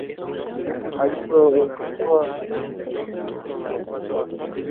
Allí se propuso aglutinar a los partidos republicanos.